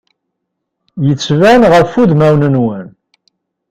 Yettban ɣef udmawen-nwen.